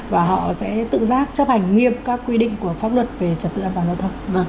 và họ sẽ tự giác chấp hành nghiêm các quy định của pháp luật về trật tự an toàn giao thông